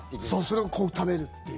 それを食べるっていう。